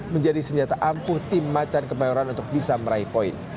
menjadi senjata ampuh tim macan kemayoran untuk bisa meraih poin